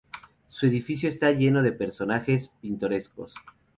Su edificio está lleno de personajes pintorescos.